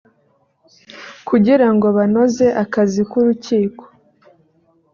kugira ngo banoze akazi k’urukiko